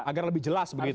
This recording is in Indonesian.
agar lebih jelas begitu ya